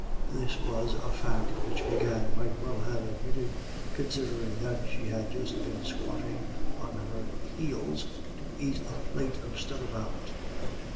This was a fact which Big Anne might well have admitted, considering that she had just been squatting on her heels to eat her plate of stirabout.